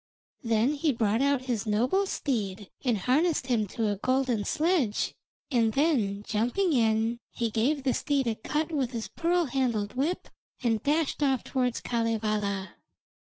Then he brought out his noble steed and harnessed him to a golden sledge, and then jumping in, he gave the steed a cut with his pearl handled whip, and dashed off towards Kalevala.